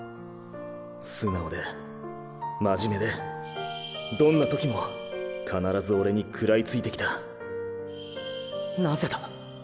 素直で真面目でどんな時も必ずオレに食らいついてきたなぜだ？